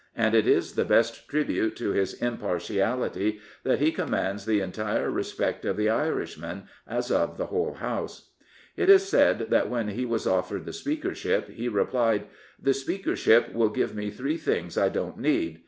And it is the best tribute to his impartiality that he commands the entire respect of the Irishmen, as of the whole House. It is said that when he was offered the Speakership he replied, " The Speakership will give me three things I don't need.